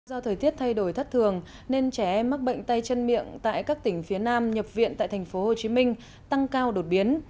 do thời tiết thay đổi thất thường nên trẻ em mắc bệnh tay chân miệng tại các tỉnh phía nam nhập viện tại thành phố hồ chí minh tăng cao đột biến